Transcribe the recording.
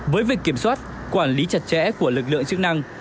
với việc kiểm soát quản lý chặt chẽ của lực lượng chức năng